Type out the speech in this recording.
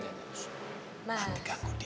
nanti ganggu dia